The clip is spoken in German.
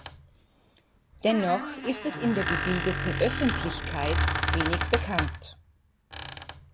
Dennoch ist es in der gebildeten Öffentlichkeit wenig bekannt.